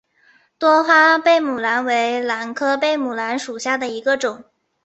多花贝母兰为兰科贝母兰属下的一个种。